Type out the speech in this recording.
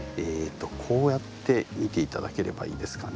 こうやって見て頂ければいいですかね。